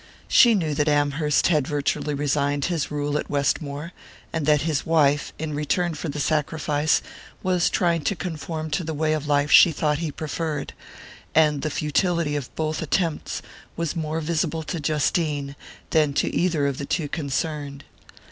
She knew that Amherst had virtually resigned his rule at Westmore, and that his wife, in return for the sacrifice, was trying to conform to the way of life she thought he preferred; and the futility of both attempts was more visible to Justine than to either of the two concerned.